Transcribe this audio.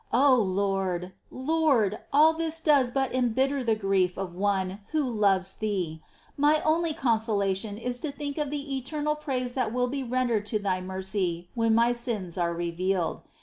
6. O Lord, Lord ! all this does but embitter the grief of one who loves Thee ! My only consolation is to think of the eternal praise that will be rendered to Thy mercy when my sins are revealed.